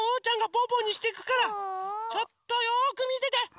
ちょっとよくみてて。